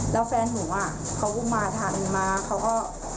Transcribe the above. แล้วแฟนหนูอ่ะเขามาทันมาเขาก็